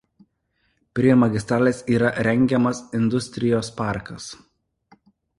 Prie magistralės yra rengiamas Industrijos parkas.